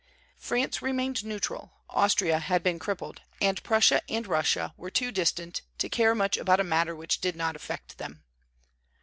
France remained neutral; Austria had been crippled; and Prussia and Russia were too distant to care much about a matter which did not affect them.